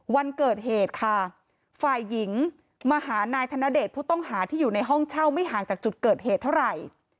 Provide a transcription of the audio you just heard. วันเกิดเหตุค่ะฝ่ายหญิงมาหานายธนเดชผู้ต้องหาที่อยู่ในห้องเช่าไม่ห่างจากจุดเกิดเหตุเท่าไหร่